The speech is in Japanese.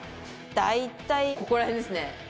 大体、ここら辺ですね。